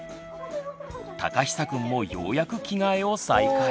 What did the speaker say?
たかひさくんもようやく着替えを再開。